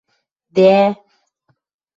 Дӓ...